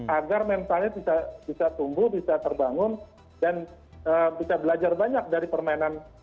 agar mentalnya bisa tumbuh bisa terbangun dan bisa belajar banyak dari permainan